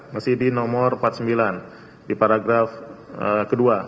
masih di nomor empat puluh sembilan di paragraf kedua